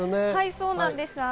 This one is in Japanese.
そうなんです。